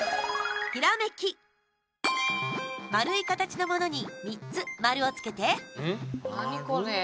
丸い形のものに３つ丸をつけて。